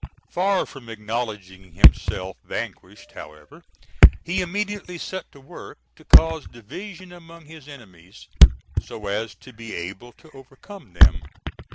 Far from acknowledging himself vanquished, however, he immediately set to work to cause division among his enemies, so as to be able to overcome them.